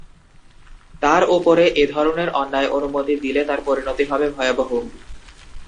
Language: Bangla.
তার ওপরে এ ধরনের অন্যায় অনুমতি দিলে তার পরিণতি হবে ভয়াবহ।